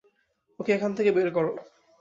ওকে এখান থেকে বের কর।